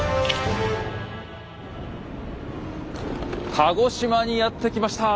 鹿児島にやって来ました！